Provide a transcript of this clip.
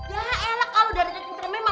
ya elah kalo dari kentutnya